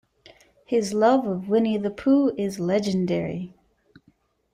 His love of Winnie-the-Pooh is legendary.